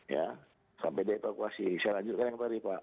ya sampai dievakuasi saya lanjutkan yang tadi pak